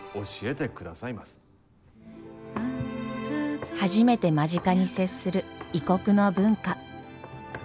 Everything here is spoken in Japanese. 「ランタタン」初めて間近に接する異国の文化。